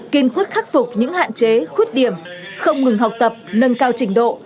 kiên khuất khắc phục những hạn chế khuất điểm không ngừng học tập nâng cao trình độ